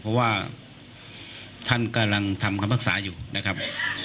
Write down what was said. เพราะว่าท่านกำลังทำคำพักษาอยู่นะครับ